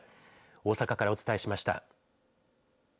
大阪からお伝えしました。